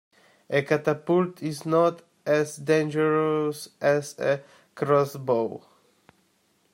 A catapult is not as dangerous as a crossbow